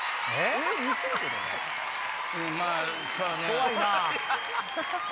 怖いなぁ。